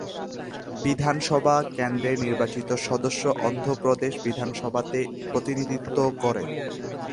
বিধানসভা কেন্দ্রের নির্বাচিত সদস্য অন্ধ্রপ্রদেশ বিধানসভাতে প্রতিনিধিত্ব করে।